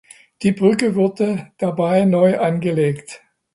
Die Brücke wurde dabei neu angelegt.